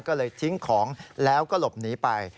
ก็เลยทิ้งของแล้วก็หลบหนีไป